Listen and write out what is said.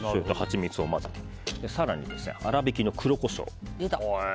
更に、粗びきの黒コショウ。